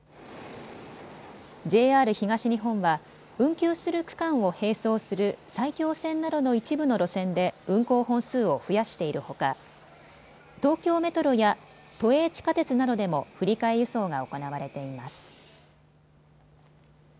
ＪＲ東日本は運休する区間を並走する埼京線などの一部の路線で運行本数を増やしているほか東京メトロや都営地下鉄などでも振り替え輸送が行われています。